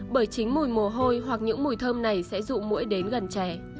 bởi chính mùi mồ hôi hoặc những mùi thơm này sẽ rụ mũi đến gần trẻ